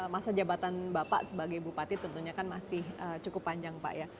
masa jabatan bapak sebagai bupati tentunya kan masih cukup panjang pak ya